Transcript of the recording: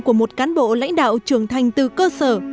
của một cán bộ lãnh đạo trưởng thành từ cơ sở